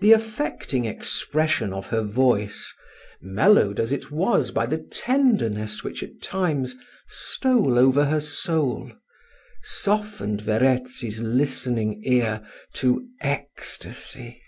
The affecting expression of her voice, mellowed as it was by the tenderness which at times stole over her soul, softened Verezzi's listening ear to ecstasy.